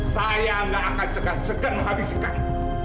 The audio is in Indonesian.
saya nggak akan sedang sedang menghabiskanmu